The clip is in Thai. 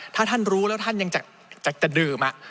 ถ้าท่านรู้แล้วท่านยังจะดื่มอ่ะ